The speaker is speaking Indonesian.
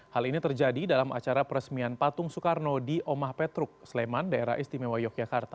hal ini terjadi dalam acara peresmian patung soekarno di omah petruk sleman daerah istimewa yogyakarta